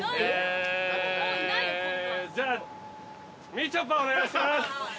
みちょぱお願いします。